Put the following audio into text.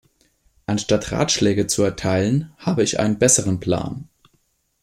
Anstatt Ratschläge zu erteilen, habe ich einen besseren Plan.